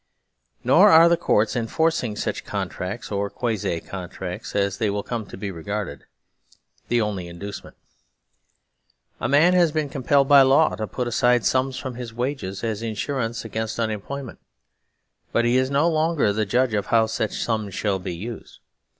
Nor are the Courts enforcing such contracts or quasi contracts (as they will come to be regarded) the only inducement. A man has been compelled by law to put aside sums from his wages as insurance against unemploy ment. But he is no longer the judge of how such sums shall be used.